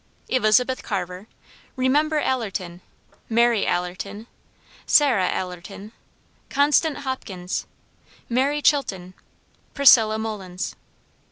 Elizabeth Carver. Remember Allerton. Mary Allerton. Sarah Allerton. Constance Hopkins. Mary Chilton. Priscilla Mullins.